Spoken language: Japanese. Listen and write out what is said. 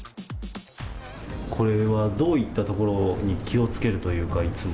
これは、どういったところに気をつけるというか、いつも。